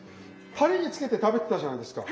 タレにつけて食べてたじゃないですか。